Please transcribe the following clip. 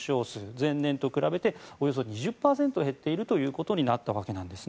前年と比べておよそ２０％減っているということになったわけです。